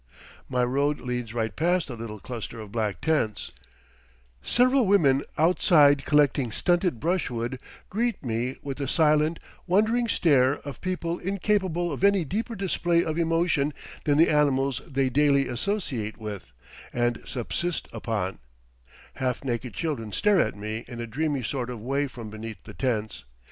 My road leads right past the little cluster of black tents; several women outside collecting stunted brushwood greet me with the silent, wondering stare of people incapable of any deeper display of emotion than the animals they daily associate with and subsist upon; half naked children stare at me in a dreamy sort of way from beneath the tents.